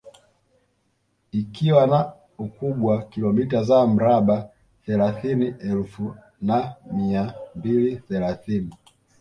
Ikiwa na ukubwa kilomita za mraba thelathini elfu na mia mbili thelathini